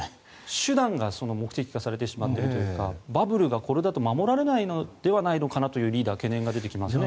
手段が目的化されてしまっているというかバブルがこれだと守られないのではないかという懸念が出てきますよね。